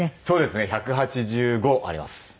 そうですね１８５あります。